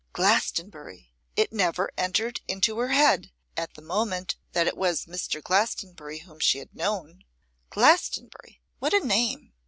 Glastonbury! It never entered into her head at the moment that it was the Mr. Glastonbury whom she had known. Glastonbury! what a name!